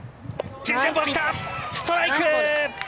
ストライク！